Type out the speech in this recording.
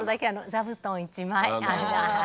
座布団１枚。